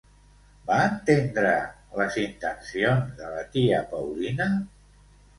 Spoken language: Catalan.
Va entendre les intencions de la tia Paulina?